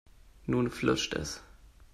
Nun flutscht es.